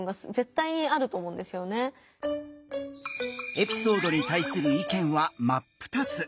エピソードに対する意見は真っ二つ！